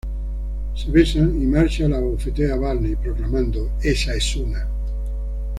Se besan y Marshall abofetea Barney, proclamando: "Esa es una.